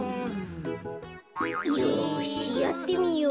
よしやってみよう。